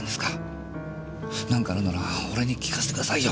何かあるなら俺に聞かしてくださいよ。